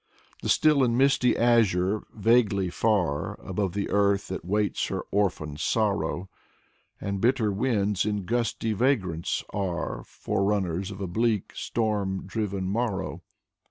The still and misty azure, vaguely far, Above the earth that waits her orphan sorrow, And bitter winds in gusty vagrance are Forerunners of a bleak, storm driven morrow.